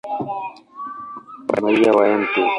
Maria wa Mt.